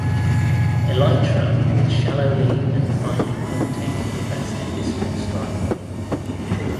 Elytra with shallowly and finely punctate impressed discal striae.